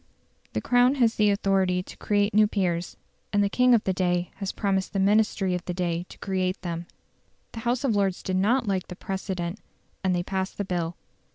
The Crown has the authority to create new peers; and the king of the day had promised the Ministry of the day to create them. The House of Lords did not like the precedent, and they passed the bill.